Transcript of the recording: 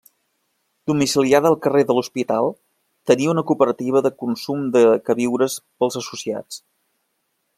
Domiciliada al carrer de l’Hospital, tenia una cooperativa de consum de queviures pels associats.